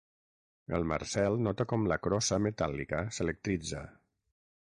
El Marcel nota com la crossa metàl·lica s'electritza.